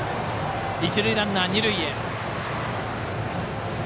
一塁ランナー、二塁へ。